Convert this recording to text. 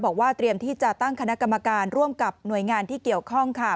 บอกว่าเตรียมที่จะตั้งคณะกรรมการร่วมกับหน่วยงานที่เกี่ยวข้อง